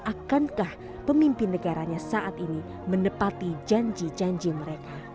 akankah pemimpin negaranya saat ini menepati janji janji mereka